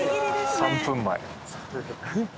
３分前！